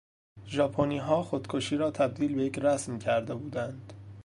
ژاپنیها خودکشی را تبدیل به یک رسم کرده بودند.